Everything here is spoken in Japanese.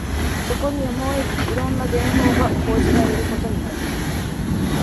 そこでやむを得ず、色んな便法が講じられることになる